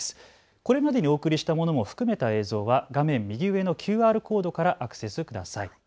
これまでにお送りしたものも含めた映像は画面右上のＱＲコードからアクセスください。